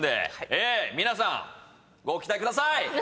ええ皆さんご期待ください！